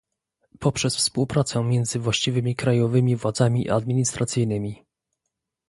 poprzez współpracę między właściwymi krajowymi władzami administracyjnymi